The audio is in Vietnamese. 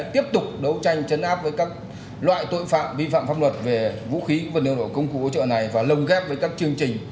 tiếp tục đấu tranh chấn áp với các loại tội phạm vi phạm pháp luật về vũ khí vật liệu nổ công cụ hỗ trợ này và lồng ghép với các chương trình